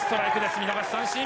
見逃し三振。